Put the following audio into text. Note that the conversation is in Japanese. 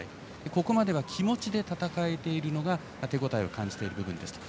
ここまで気持ちで戦えているのが手応えを感じてる部分ですと。